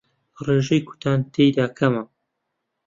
ڕێژەی کوتان تێیدا کەمە